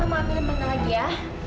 mama ambil tempat lagi ya